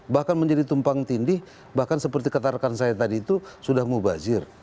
bahkan menjadi tumpang tindih bahkan seperti katarkan saya tadi itu sudah mubazir